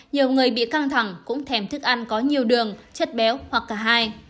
nhiều người bị căng thẳng cũng thèm thức ăn có nhiều đường chất béo hoặc cả hai